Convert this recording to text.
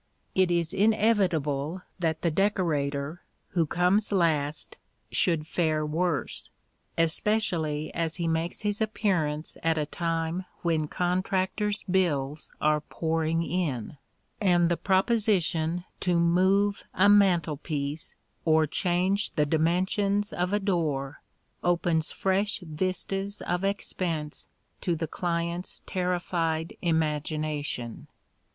It is inevitable that the decorator, who comes last, should fare worse, especially as he makes his appearance at a time when contractors' bills are pouring in, and the proposition to move a mantelpiece or change the dimensions of a door opens fresh vistas of expense to the client's terrified imagination.